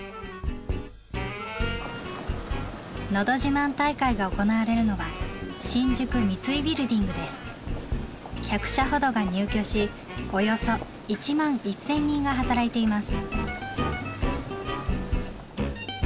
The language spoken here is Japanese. のど自慢大会が行われるのは１００社ほどが入居しおよそ１万１，０００人が働いています。